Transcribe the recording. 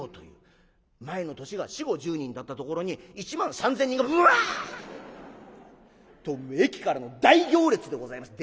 前の年が４０５０人だったところに１万３，０００人がブワッ！と駅からの大行列でございます。